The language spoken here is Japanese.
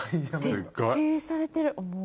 徹底されてるもう。